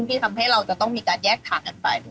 ที่ทำให้เราจะต้องมีการแยกทางกันไป